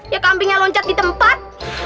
ya kambingnya loncat di tempat